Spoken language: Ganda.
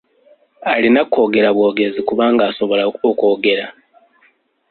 Alina kwogera bwogezi kubanga asobola okwogera.